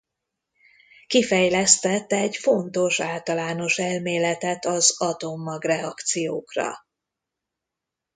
Kifejlesztett egy fontos általános elméletet az atommag-reakciókra.